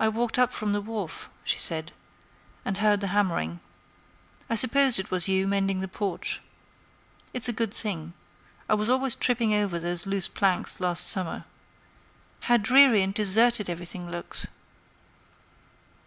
"I walked up from the wharf," she said, "and heard the hammering. I supposed it was you, mending the porch. It's a good thing. I was always tripping over those loose planks last summer. How dreary and deserted everything looks!"